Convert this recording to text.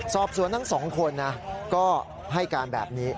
สอบสวนทั้งสองคนนะก็ให้การแบบนี้